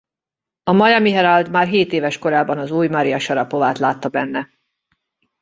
A Miami Herald már hét éves korában az új Marija Sarapovát látta benne.